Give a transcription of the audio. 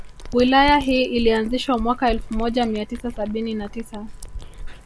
Wilaya hii ilianzishwa mwaka elfu moja mia tisa sabini na tisa